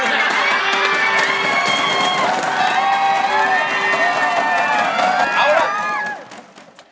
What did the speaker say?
เอาล่ะ